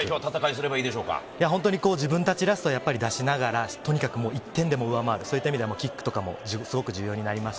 本当に自分たちらしさを出しながら、とにかく１点でも上回る、そういう意味ではキックとかも重要になります。